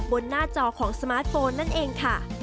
หน้าจอของสมาร์ทโฟนนั่นเองค่ะ